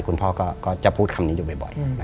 คุณพ่อก็จะพูดคำนี้อยู่บ่อย